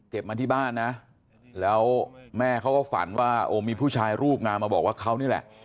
มาที่บ้านนะแล้วแม่เขาก็ฝันว่าโอ้มีผู้ชายรูปงามมาบอกว่าเขานี่แหละ